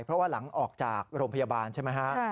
เพราะว่าหลังออกจากโรงพยาบาลใช่ไหมฮะ